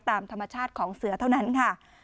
ตามธรรมชาติของเสือเท่านั้นค่ะ